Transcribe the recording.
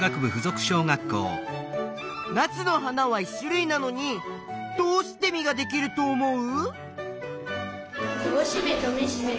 ナスの花は１種類なのにどうして実ができると思う？